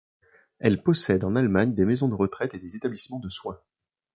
Elles possèdent en Allemagne des maisons de retraite et des établissements de soins.